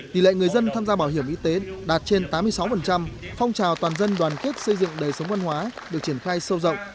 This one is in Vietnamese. tỷ lệ người dân tham gia bảo hiểm y tế đạt trên tám mươi sáu phong trào toàn dân đoàn kết xây dựng đời sống văn hóa được triển khai sâu rộng